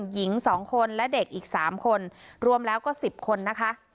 หญิง๒คนและเด็กอีก๓คนรวมแล้วก็๑๐คนนะคะ